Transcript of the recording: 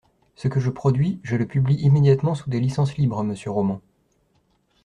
Ce que je produis, je le publie immédiatement sous des licences libres monsieur Roman